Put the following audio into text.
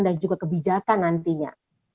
dan juga kebijakan nantinya